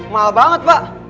mahal banget pak